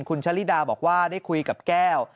คุณชะลิดาบอกว่าได้คุยกับแก้ว